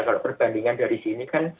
kalau perbandingan dari sini kan